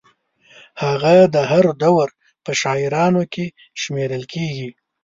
هغه د هر دور په شاعرانو کې شمېرل کېږي.